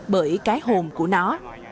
bởi cái hồn của nó